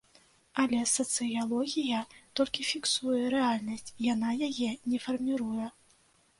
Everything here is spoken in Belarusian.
Але сацыялогія толькі фіксуе рэальнасць, яна яе не фарміруе.